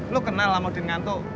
lo kenal sama udin ngantuk